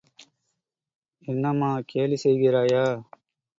என்னம்மா கேலி செய்கிறாயா?